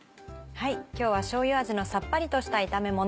今日はしょうゆ味のサッパリとした炒めもの。